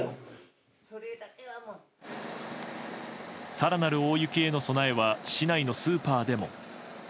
更なる大雪への備えは市内のスーパーでも。